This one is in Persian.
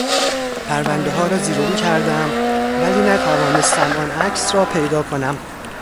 پروندهها را زیر و رو کردم ولی نتوانستم آن عکس را پیدا کنم.